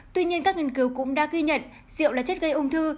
tuy nhiên các nghiên cứu cũng đã ghi nhận rượu là chất gây ung thư